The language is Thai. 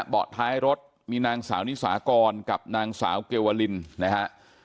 เบาะท้ายรถมีนางสาวนิสากรกับนางสาวเกวลินนะฮะ